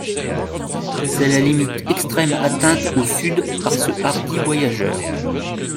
C’est la limite extrême atteinte au sud par ce hardi voyageur.